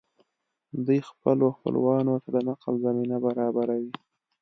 دوی خپلو خپلوانو ته د نقل زمینه برابروي